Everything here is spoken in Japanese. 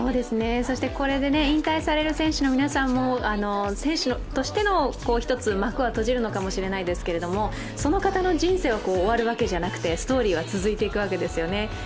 これで引退される選手の皆さんも、選手としての一つ幕は閉じるのかもしれませんが、その方の人生は終わるわけじゃなくてストーリーは続いていくわけですよね。